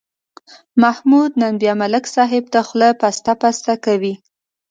محمود نن بیا ملک صاحب ته خوله پسته پسته کوي.